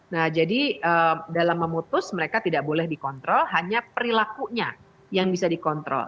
nah jadi dalam memutus mereka tidak boleh dikontrol hanya perilakunya yang bisa dikontrol